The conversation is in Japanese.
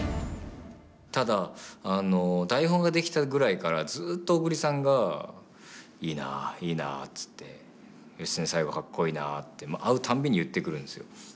ただあの台本が出来たぐらいからずっと小栗さんが「いいないいな」っつって「義経最後かっこいいな」って会うたんびに言ってくるんですよ。